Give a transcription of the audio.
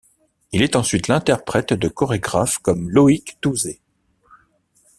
Il est ensuite l'interprète de chorégraphes comme Loïc Touzé.